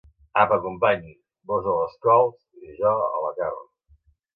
Apa, company!, vós a les cols i jo a la carn.